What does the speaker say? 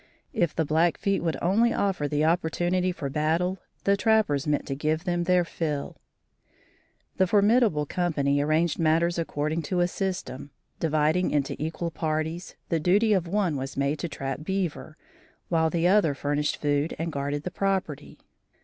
If the Blackfeet would only offer the opportunity for battle, the trappers meant to give them their fill. The formidable company arranged matters according to a system. Dividing into two equal parties, the duty of one was made to trap beaver, while the other furnished food and guarded the property.